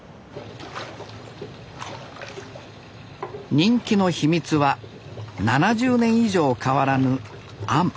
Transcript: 人気の秘密は７０年以上変わらぬあん